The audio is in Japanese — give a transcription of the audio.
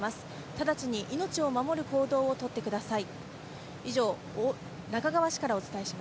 直ちに命を守る行動をとってください。